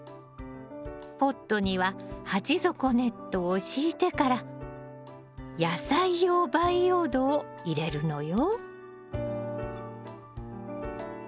ポットには鉢底ネットを敷いてから野菜用培養土を入れるのよ。